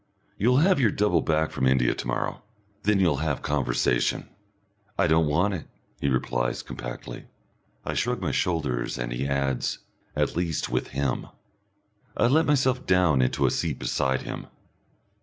"You'll have your double back from India to morrow. Then you'll have conversation." "I don't want it," he replies, compactly. I shrug my shoulders, and he adds, "At least with him." I let myself down into a seat beside him.